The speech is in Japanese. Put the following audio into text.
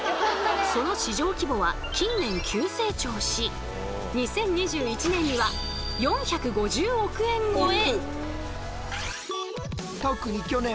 その市場規模は近年急成長し２０２１年には４５０億円超え！